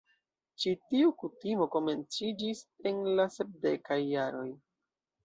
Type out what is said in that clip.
Ĉi-tiu kutimo komenciĝis en la sepdekaj jaroj.